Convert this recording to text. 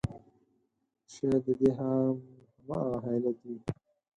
شاید د دې هم همغه علت وي.